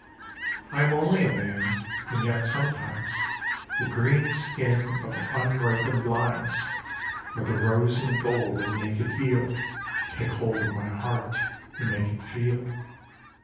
I AM only a man, and yet sometimes The green skin of unripened limes Or the rose and gold of a naked heel Take hold of my heart and make it feel.